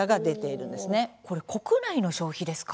ほうこれ国内の消費ですか？